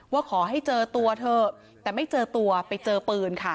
ว่าขอให้เจอตัวเถอะแต่ไม่เจอตัวไปเจอปืนค่ะ